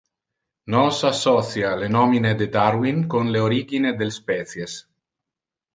Nos associa le nomine de Darwin con Le Origine del Species.